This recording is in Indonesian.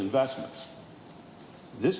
investasi yang lebih besar